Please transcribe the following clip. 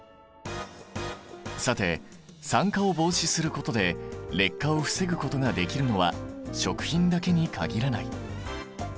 さて酸化を防止することで劣化を防ぐことができるのは食品だけに限らない。